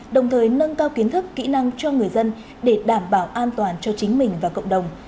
đồng thời nâng cao kiến thức kỹ năng cho người dân để đảm bảo an toàn cho chính mình và cộng đồng